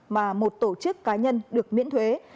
mà một tổ chức cá nhân được miễn thuế